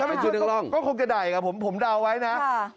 ถ้าไม่ช่วยก็คงจะด่ายอีกครับผมเดาไว้นะ